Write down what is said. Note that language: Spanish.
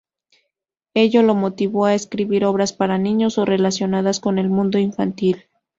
Ello lo motivó a escribir obras para niños o relacionadas con el mundo infantil.